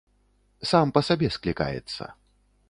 Сам па сабе склікаецца.